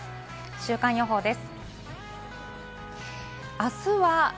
週間予報です。